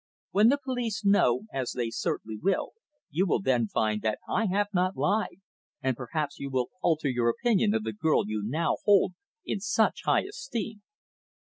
When the police know as they certainly will you will then find that I have not lied, and perhaps you will alter your opinion of the girl you now hold in such high esteem."